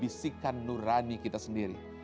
ketika kita mendengar bisikan nurani kita sendiri